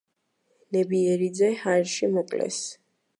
ნებიერიძე ჰაერში მოკლეს.